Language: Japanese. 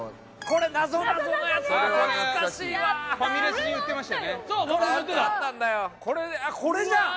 これねあっこれじゃん！